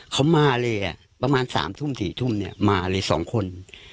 เขามาเลยอ่ะประมาณ๓ทุ่ม๔ทุ่มเนี่ยมาเลย๒คน